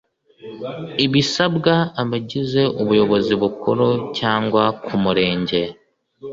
ibisabwa abagize ubuyobozi bukuru cyangwa kumurenge